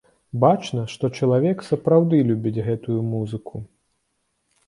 Бачна, што чалавек сапраўды любіць гэтую музыку.